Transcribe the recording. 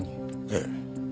ええ。